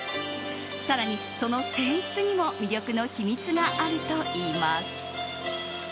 更に、その泉質にも魅力の秘密があるといいます。